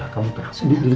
kamu dengar pak suri